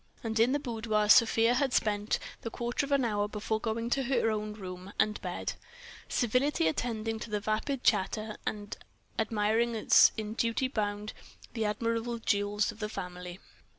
And in the boudoir Sofia had spent the quarter of an hour before going on to her own room and bed, civilly attending to vapid chatter and admiring as in duty bound the admirable jewels of the family.